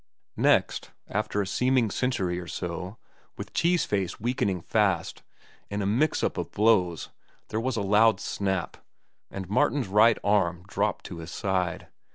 Next, after a seeming century or so, with Cheese Face weakening fast, in a mix up of blows there was a loud snap, and Martin's right arm dropped to his side.